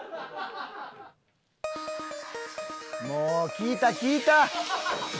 もう聞いた聞いた。